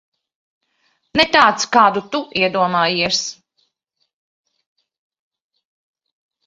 Ne tāds, kādu tu iedomājies.